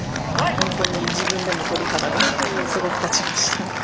本当に自分でも鳥肌がすごく立ちました。